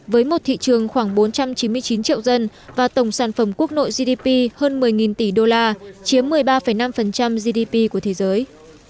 với một thị trường khoảng bốn trăm chín mươi chín triệu dân và tổng sản phẩm quốc nội gdp hơn một mươi tỷ đô la chiếm một mươi ba năm gdp của thế giới